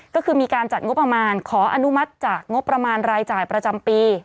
ก็คือมีการจัดงบประมาณขออนุมัติจากงบประมาณรายจ่ายประจำปี